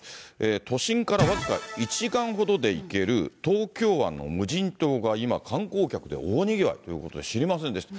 都心から僅か１時間ほどで行ける東京湾の無人島が今、観光客で大にぎわいということで、知りませんでした。